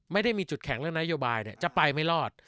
ไม่ได้มีจุดแข็งเรื่องนโยบายจะไปไม่รอด